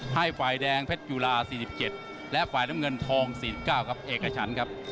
ให้ฝ่ายแดงเพคกุราสี่พิเศษและฝ่ายน้ำเงินทองสี่สิบเก้าครับเอกชั้นครับ